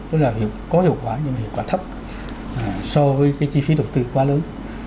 rất là có hiệu quả nhưng mà hiệu quả thấp so với cái chi phí đầu tư quá lớn